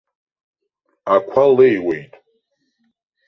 Ақәа леиуеит.